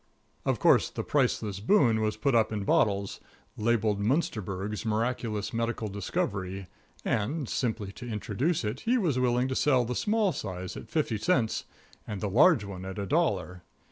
_"] Of course, the Priceless Boon was put up in bottles, labeled Munsterberg's Miraculous Medical Discovery, and, simply to introduce it, he was willing to sell the small size at fifty cents and the large one at a dollar.